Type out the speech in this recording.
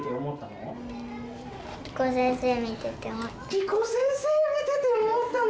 りこ先生を見てて思ったの？